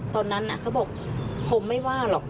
ตอนนั้นเขาบอกผมไม่ว่าหรอก